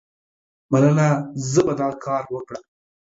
مننه، زه به دا کار وکړم.